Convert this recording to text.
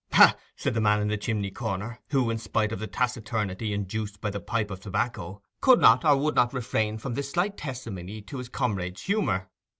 'Ha, ha, ha!' said the man in the chimney corner, who, in spite of the taciturnity induced by the pipe of tobacco, could not or would not refrain from this slight testimony to his comrade's humour.